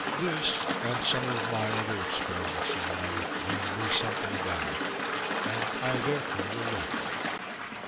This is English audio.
This, and some of my other experiments in water, learned me something about it, and I therefore relate them.